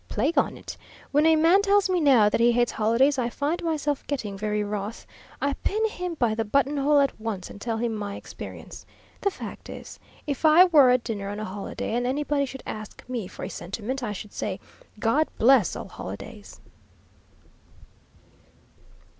Plague on it! When a man tells me now that he hates holidays, I find myself getting very wroth. I pin him by the buttonhole at once, and tell him my experience. The fact is, if I were at dinner on a holiday, and anybody should ask me for a sentiment, I should say, 'God bless all holidays!'"